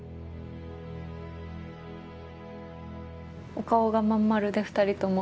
お顔が真ん丸で２人とも。